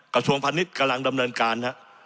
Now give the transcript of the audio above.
กระทรวงพาณิชย์กำลังดำเนินการ